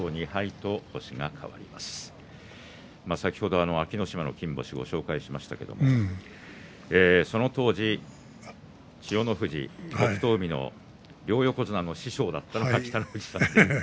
先ほど安芸乃島の金星をご紹介しましたけどその当時、千代の富士北勝海の両横綱の師匠だったのが北の富士さんです。